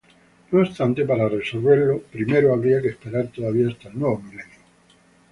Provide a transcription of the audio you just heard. No obstante, para resolver lo primero habría que esperar todavía hasta el nuevo milenio.